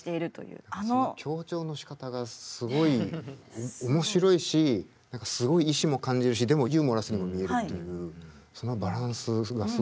強調のしかたがすごい面白いし何かすごい意志も感じるしでもユーモラスにも見えるというそのバランスがすごいですよね。